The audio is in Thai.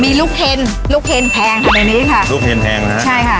มีลูกเห็นลูกเห็นแพงอันนี้ค่ะลูกเฮนแพงแล้วฮะ